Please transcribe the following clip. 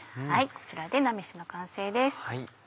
こちらで菜めしの完成です。